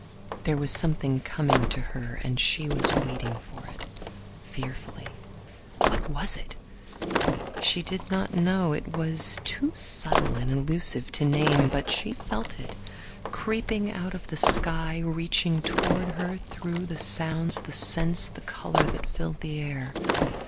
There was something coming to her and she was waiting for it, fearfully. What was it? She did not know; it was too subtle and elusive to name. But she felt it, creeping out of the sky, reaching toward her through the sounds, the scents, the color that filled the air.